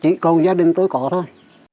chỉ còn gia đình tôi có thôi